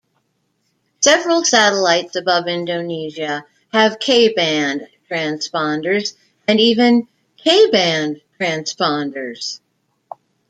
Several satellites above Indonesia have K-band transponders, and even K band transponders.